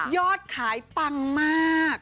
ยอดขายปังมาก